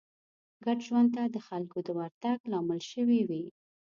ګډ ژوند ته د خلکو د ورتګ لامل شوې وي